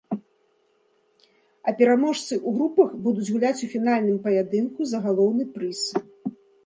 А пераможцы ў групах будуць гуляць у фінальным паядынку за галоўны прыз.